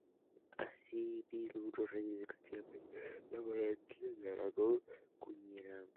Asimismo, algunos reyes de Castilla que pretendían la monarquía de Aragón acuñaron florines.